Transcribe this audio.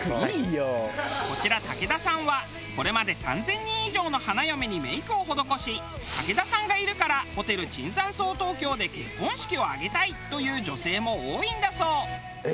こちら武田さんはこれまで３０００人以上の花嫁にメイクを施し武田さんがいるからホテル椿山荘東京で結婚式を挙げたいという女性も多いんだそう。